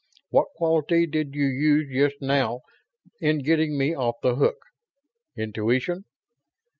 What quality did you use just now in getting me off the hook? Intuition.